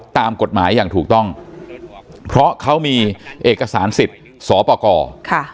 ตามกฎหมายอย่างถูกต้องเพราะเขามีเอกสารสิทธิ์สอปกรค่ะ